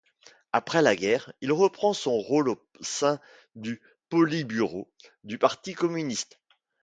Après la guerre, il reprend son rôle au sein du Politburo du parti communiste.